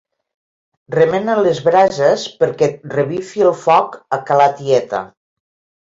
Remena les brases perquè revifi el foc a ca la tieta.